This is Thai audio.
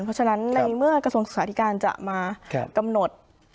เพราะฉะนั้นในเมื่อกระทรวงศึกษาธิการจะมากำหนด